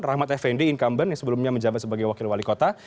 rahmat effendi incumbent yang sebelumnya menjabat sebagai wakil wali kota